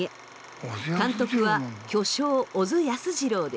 監督は巨匠小津安二郎です。